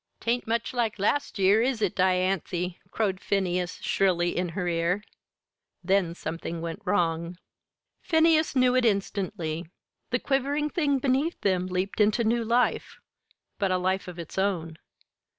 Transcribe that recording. "Tain't much like last year, is it, Dianthy?" crowed Phineas, shrilly, in her ear then something went wrong. Phineas knew it instantly. The quivering thing beneath them leaped into new life but a life of its own.